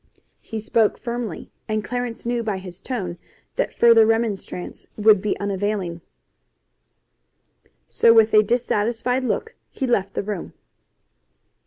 He spoke firmly, and Clarence knew by his tone that further remonstrance would be unavailing, so with a dissatisfied look he left the room.